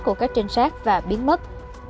của các trinh sát và biến mất